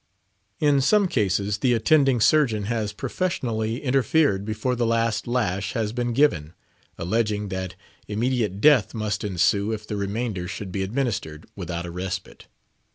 In some cases, the attending surgeon has professionally interfered before the last lash has been given, alleging that immediate death must ensue if the remainder should be administered without a respite.